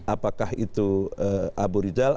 apakah itu abu rizal